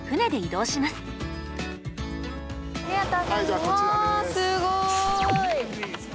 すごい。わ！